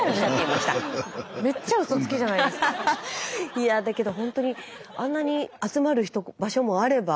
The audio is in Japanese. いやぁだけどほんとにあんなに集まる場所もあれば。